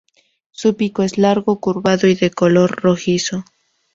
Su pico es largo, curvado y de color rojizo.